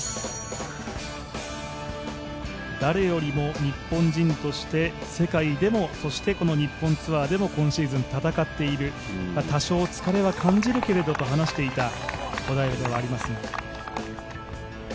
誰よりも日本人として世界でも、そしてこの日本ツアーでも今シーズン戦っている多少、疲れは感じるけれどと話していた小平ではありますが。